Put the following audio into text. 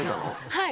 はい。